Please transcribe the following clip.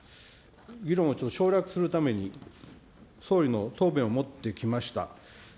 議論をちょっと省略するために、総理の答弁を持ってきました。